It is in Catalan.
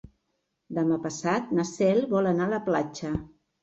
Demà passat na Cel vol anar a la platja.